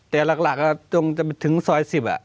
แต่หลักจงจะไปถึงซอย๑๐